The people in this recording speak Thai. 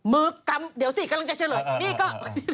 มือกำเดี๋ยวสิกำลังจะเฉลยนี่ก็